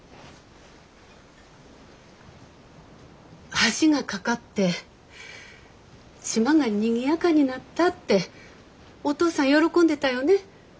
橋が架かって島がにぎやかになったっておとうさん喜んでたよね？